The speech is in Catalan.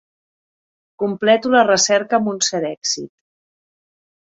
Completo la recerca amb un cert èxit.